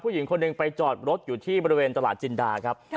ผู้หญิงคนหนึ่งไปจอดรถอยู่ที่บริเวณตลาดจินดาครับ